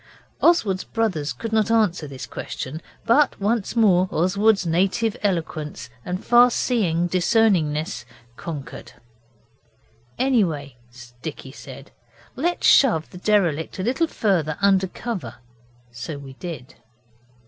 Oswald's brothers could not answer this question, but once more Oswald's native eloquence and far seeing discerningness conquered. 'Anyway,' Dicky said, 'let's shove the derelict a little further under cover.' So we did.